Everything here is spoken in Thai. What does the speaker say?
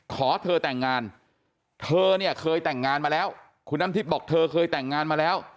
ขอเธอแต่งงานเธอเนี่ยเคยแต่งงานมาแล้วคุณน้ำทิพย์บอกเธอเคยแต่งงานมาแล้ว